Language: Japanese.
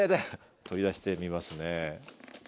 取り出してみますね。